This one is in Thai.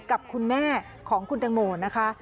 กับคุณแม่ของคุณตังโมนะคะ